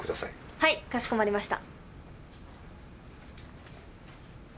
はいかしこまりました。